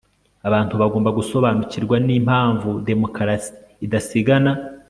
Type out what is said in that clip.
abantu bagomba gusobanukirwa n'impamvu demokarasi idasigana